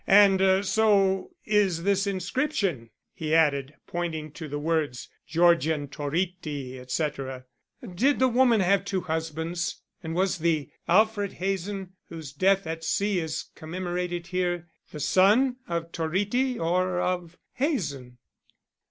And so is this inscription," he added, pointing to the words Georgian Toritti, etc. "Did the woman have two husbands, and was the Alfred Hazen, whose death at sea is commemorated here, the son of Toritti or of Hazen?"